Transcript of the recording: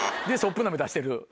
ぷ鍋出してる？